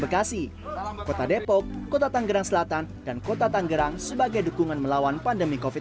bekasi kota depok kota tanggerang selatan dan kota tanggerang sebagai dukungan melawan pandemi covid sembilan belas